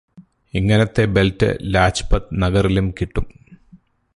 ഇങ്ങനെത്തെ ബെൽറ്റ് ലാജ്പത് നഗറിലും കിട്ടും